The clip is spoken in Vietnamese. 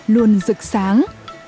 luôn rực sáng